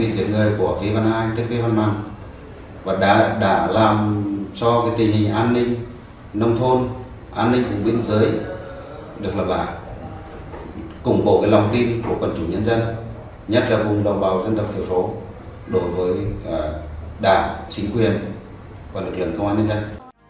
cơ quan điều tra đã cung cộ lòng tin của quân chủ nhân dân nhắc cho vùng đồng bào dân dập phiểu số đối với đảng chiến quyền và lực lượng công an nhân dân